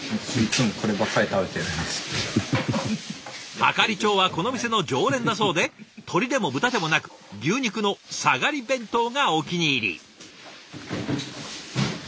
係長はこの店の常連だそうで鶏でも豚でもなく牛肉の「さがり弁当」がお気に入り。